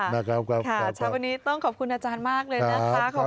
นะครับเช้าวันนี้ต้องขอบคุณอาจารย์มากเลยนะคะขอบคุณ